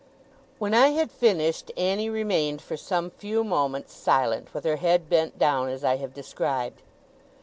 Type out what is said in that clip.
When I had finished, Annie remained, for some few moments, silent, with her head bent down, as I have described.